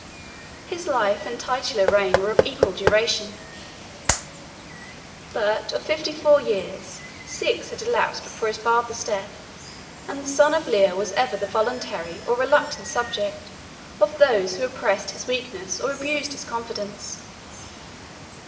His life and titular reign were of equal duration; but of fifty four years, six had elapsed before his father's death; and the son of Leo was ever the voluntary or reluctant subject of those who oppressed his weakness or abused his confidence.